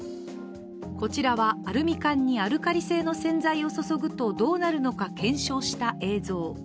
こちらは、アルミ缶にアルカリ性の洗剤を注ぐとどうなるのか検証した映像。